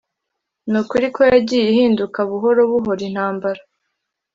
ni ukuri ko yagiye ihinduka buhoro buhoro intambara